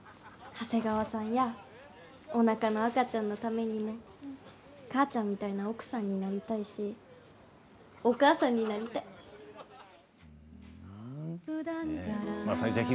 長谷川さんやおなかの赤ちゃんのためにも母ちゃんみたいな奥さんになりたいしお母さんになりたい。